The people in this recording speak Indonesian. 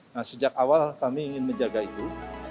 nah sejak awal kami ingin menjaga itu